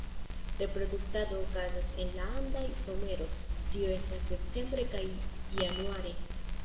Reproduktado okazas en la andaj somero, tio estas decembre kaj januare.